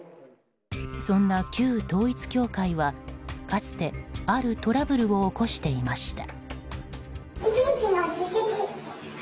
そんな旧統一教会はかつて、あるトラブルを起こしていました。